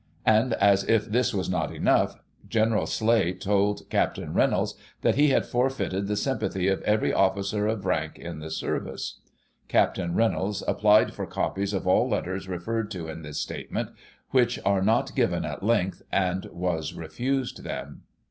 And, as if this was not enough. Gen. Sleigh told Capt. Reynolds that he had forfeited the sympathy of every officer of rank in the Service. " Capt. Reynolds applied for copies of all letters referred to in this statement, which are not given at length, and was refused them."